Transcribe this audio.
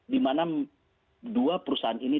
dimana dua perusahaan ini